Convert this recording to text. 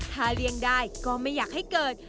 ถ้าเลี่ยงได้ก็ไม่อยากให้เกิด